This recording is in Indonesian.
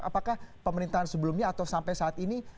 apakah pemerintahan sebelumnya atau sampai saat ini